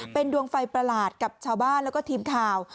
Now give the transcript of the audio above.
เป็นดวงไฟประหลาดกับชาวบ้านแล้วก็ทีมข่าว